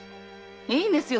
いいんですよ